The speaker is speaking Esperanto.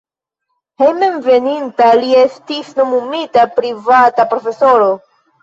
Hejmenveninta li estis nomumita privata profesoro.